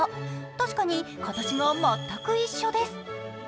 確かに形が全く一緒です。